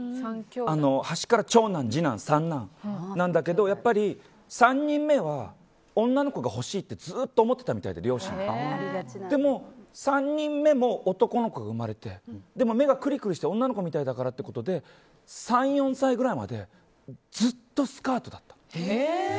端から長男、次男、三男なんだけど３人目は女の子が欲しいって両親はずっと思っていたみたいででも、３人目も男の子が生まれてでも目がくりくりして女の子みたいだからってことで３４歳ぐらいまでずっとスカートだった。